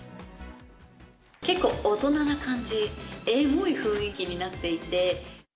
結構、大人な感じ、エモい雰囲気になっていて。